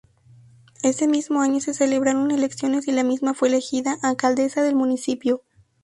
Ese mismo año se celebraron elecciones y la misma fue elegida alcaldesa del municipio.